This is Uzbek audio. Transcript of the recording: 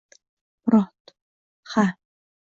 Murod: Ha!